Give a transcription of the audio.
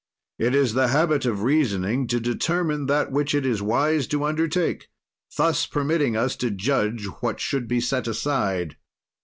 "It is the habit of reasoning to determine that which it is wise to undertake, thus permitting us to judge what should be set aside.